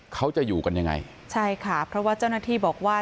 เขาจะอยู่กันยังไงใช่ค่ะเพราะว่าเจ้าหน้าที่บอกว่า